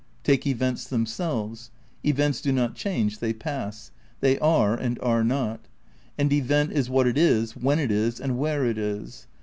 Take events themselves. Events do not change, they pass. They are and are not. "An event is what it is, when it is and where it is."